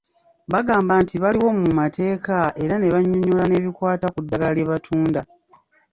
Bagamba nti baliwo mu mateeka era ne bannyonnyola n’ebikwata ku ddagala lye batunda.